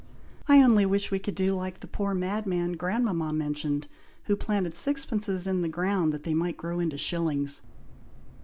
I only wish we could do like the poor madman grandmama mentioned, who planted sixpences in the ground that they might grow into shillings."